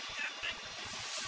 jatuh you stu